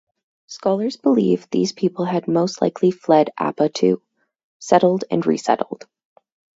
Scholars believe these people had most likely fled Apa too, settled and resettled.